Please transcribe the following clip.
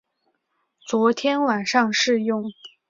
昨天晚上试用